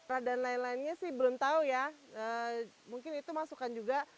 radan lain lainnya sih belum tahu ya mungkin itu masukan juga